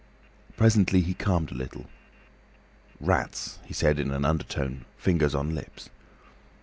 "Presently he calmed a little. 'Rats,' he said in an undertone, fingers on lips.